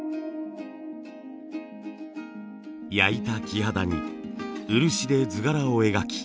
焼いた木肌に漆で図柄を描き